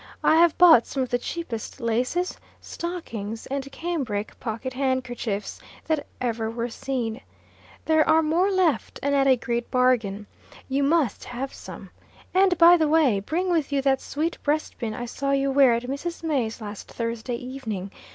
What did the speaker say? I have bought some of the cheapest laces, stockings, and cambric pocket handkerchiefs that ever were seen. There are more left; and at a great bargain. You must have some. And, by the way, bring with you that sweet breastpin I saw you wear at Mrs. May's last Thursday evening.